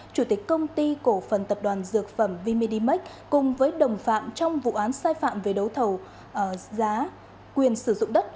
chủ tịch công ty cổ phần tập đoàn dược phẩm v medimax cùng với đồng phạm trong vụ án sai phạm về đấu thầu giá quyền sử dụng đất